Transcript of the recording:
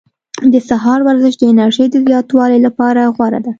د سهار ورزش د انرژۍ د زیاتوالي لپاره غوره ده.